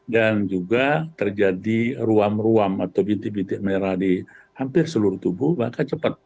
dan juga terjadi ruam ruam atau bintik bintik merah di hampir seluruh tubuh maka cepat